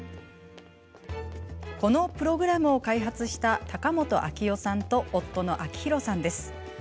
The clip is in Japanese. このプログラムを開発した高本玲代さんと夫の章博さんです。